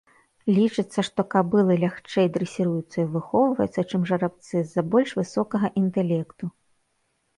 Лічыцца, што кабылы лягчэй дрэсіруюцца і выхоўваюцца, чым жарабцы з-за больш высокага інтэлекту.